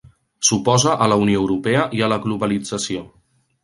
S'oposa a la Unió Europea i a la globalització.